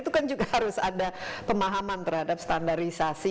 itu kan juga harus ada pemahaman terhadap standarisasi